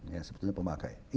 ya sebetulnya pemakai